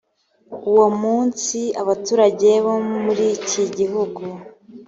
uwo munsi abaturage bo muri iki gihugu